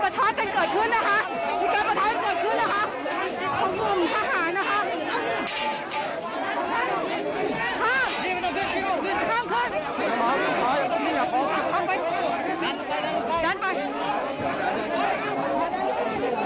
ชายไข้จากศิษย์พรังนามอภัย